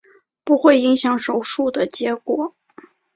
不会影响手术的结果。